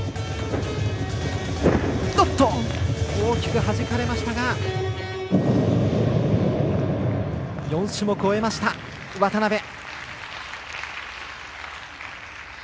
大きくはじかれましたが４種目終えました、渡部。